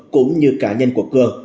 cũng như cá nhân của cường